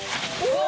お！